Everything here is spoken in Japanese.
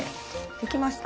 できました。